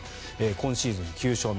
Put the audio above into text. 今シーズン９勝目。